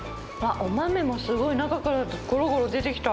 お豆もすごい、中からごろごろ出てきた。